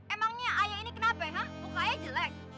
emangnya ayah ini kenapa ya bukannya jelek